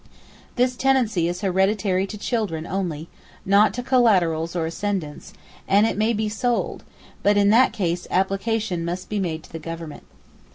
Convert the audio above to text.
This tenancy is hereditary to children only—not to collaterals or ascendants—and it may be sold, but in that case application must be made to the Government.